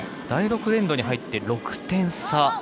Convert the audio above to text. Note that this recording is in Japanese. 第６エンドに入って６点差。